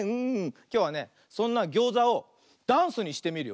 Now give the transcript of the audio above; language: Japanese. きょうはねそんなギョーザをダンスにしてみるよ。